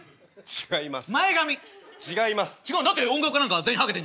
違います。